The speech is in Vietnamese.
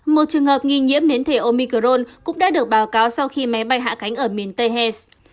một trường hợp nghi nhiễm nến thể omicron cũng đã được báo cáo sau khi máy bay hạ cánh ở miền tây hez